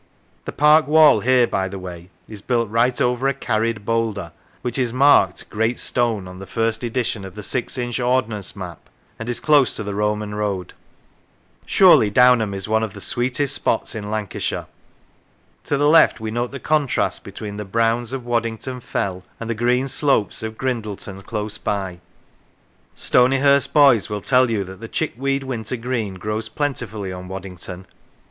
The park wall here, by the way, is built right over a carried boulder, which is marked " great stone " on the first edition of the six inch ordnance map, and is close to the Roman road. Surely Downham is one of the sweetest spots in Lancashire. To the left we note the contrast between the browns of Waddington Fell and the green slopes of Grindleton close by. Stonyhurst boys will tell you that the chickweed winter green grows plentifully on Waddington.